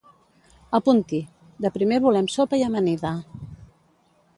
Apunti! De primer volem sopa i amanida.